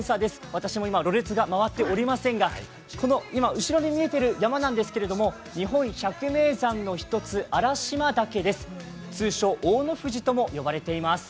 私も今、ろれつが回っておりませんが、今、後ろに見えている山なんですけど、日本百名山の一つ、荒島岳です、通称・大野富士とも呼ばれています。